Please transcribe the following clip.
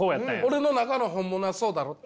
俺の中の本物はそうだろって。